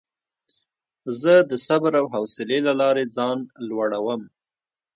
زه د صبر او حوصلې له لارې ځان لوړوم.